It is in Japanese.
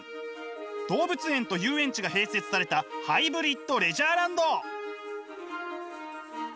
動物園と遊園地が併設されたハイブリッドレジャーランド。